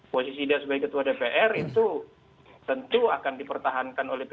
posisi dia sebagai ketua dpr itu tentu akan dipertahankan oleh p tiga